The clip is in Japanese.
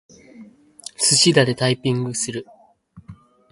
すしだでタイピングする。